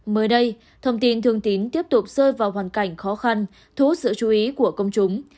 mới đây thông tin thương tín tiếp tục rơi vào hoàn cảnh khó khăn thú sự chú ý của công chúng